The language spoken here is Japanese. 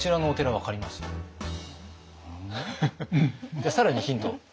じゃあ更にヒント。